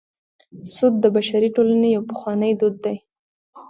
سود د بشري ټولنې یو پخوانی دود دی